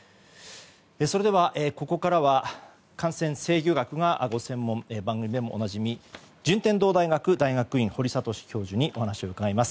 それでは、ここからは感染制御学がご専門で番組でもおなじみ順天堂大学大学院の堀賢教授にお話を伺います。